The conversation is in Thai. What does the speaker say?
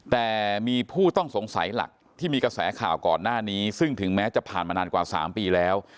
แต่มีผู้ต้องสงสัยหลักที่มีกระแสข่าวก่อนหน้านี้ซึ่งถึงแม้จะผ่านมานานกว่า๓ปีแล้ว